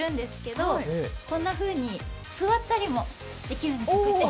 こんなふうに座ったりもできるんですよ、こうやって。